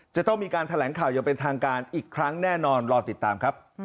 จะต้องมีการแถลงข่าวอย่างเป็นทางการอีกครั้งแน่นอนรอติดตามครับ